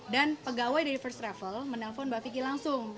dan pegawai dari first travel menelpon mbak vicky langsung